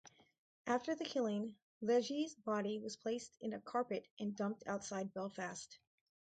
After the killing, Legge's body was placed in a carpet and dumped outside Belfast.